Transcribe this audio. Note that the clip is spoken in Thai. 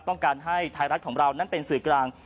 ต้องการให้ไทยรัฐของเรานั้นเป็นสื่อกลาง